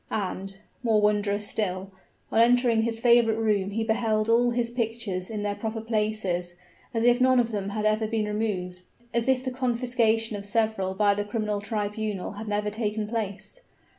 And more wondrous still on entering his favorite room he beheld all his pictures in their proper places, as if none of them had ever been removed as if the confiscation of several by the criminal tribunal had never taken place.